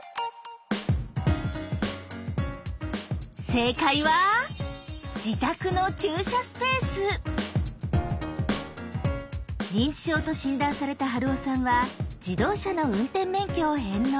正解は自宅の認知症と診断された春雄さんは自動車の運転免許を返納。